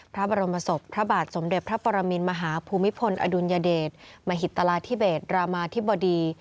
พระบรมศพพระบาทสมเด็จพระปรมินมหาภูมิพลอดุลยเดชมหิตราธิเบศรามาธิบดี